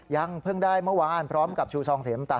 ยังเพิ่งได้เมื่อวานพร้อมกับชูซองสีน้ำตาล